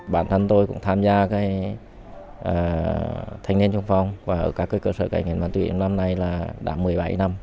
bản thân tôi cũng tham gia cái thanh niên chung phong và ở các cơ sở cai nghiện ma túy năm nay là đã một mươi bảy năm